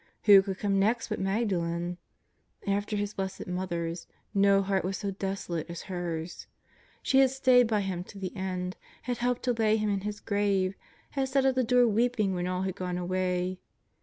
Who could come next but Magdalen? After His Blessed Mother's, no heart was so desolate as hers. She had stayed by Him to the end, had helped to lay Him in His grave, had sat at the door weeping when all had gone away.